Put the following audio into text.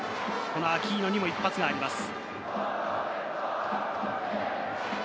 アキーノにも一発があります。